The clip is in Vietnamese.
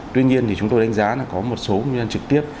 tuy nhiên thì chúng tôi đánh giá là có một số nguyên nhân trực tiếp